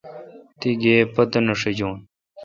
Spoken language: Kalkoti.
تی گیب پتہ نہ ݭاجون۔